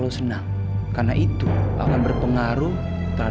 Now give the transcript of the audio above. ty muhammad ini randa lebih apa dia pun tak owen